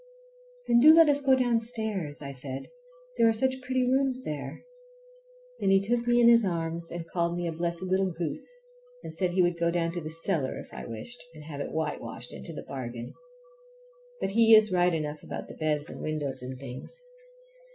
"Then do let us go downstairs," I said, "there are such pretty rooms there." Then he took me in his arms and called me a blessed little goose, and said he would go down cellar if I wished, and have it whitewashed into the bargain. But he is right enough about the beds and windows and things.